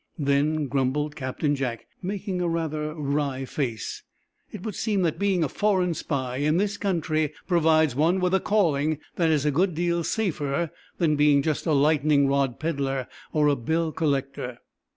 "Then," grumbled Captain Jack, making a rather wry face, "it would seem that being a foreign spy, in this country, provides one with a calling that is a good deal safer than being just a lightning rod peddler or a bill collector."